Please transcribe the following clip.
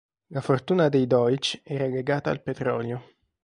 La fortuna dei Deutsch era legata al petrolio.